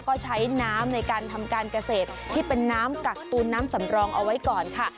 ก็ใช้น้ำในการทำการเกษตรที่เป็นน้ำกักตูนน้ำสำรองเอาไว้ก่อนค่ะ